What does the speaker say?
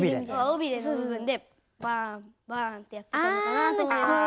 尾びれの部分でバーンバーンってやってたのかなと思いました。